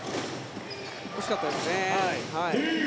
惜しかったですね。